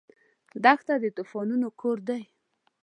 دښته د طوفانونو کور دی.